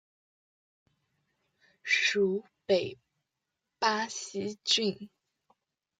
属北巴西郡。